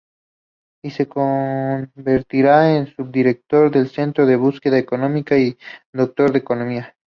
Yi se convertirá en subdirector del Centro para Búsqueda Económica, y doctor en Economía.